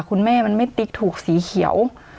คุณแม่มันไม่ติ๊กถูกสีเขียว